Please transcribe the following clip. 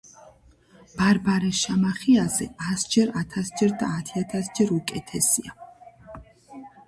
ბარბარე შამახიაზე ასჯერ, ათასჯერ და ათიათასჯერ უკეთესია